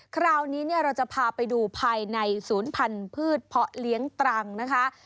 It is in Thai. คราวนี้เราจะพาไปดูภายในศูนย์พันธุ์เพาะเลี้ยงตรังนะคะ